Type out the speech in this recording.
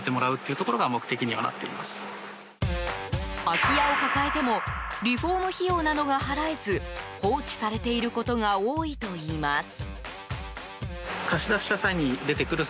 空き家を抱えてもリフォーム費用などが払えず放置されていることが多いといいます。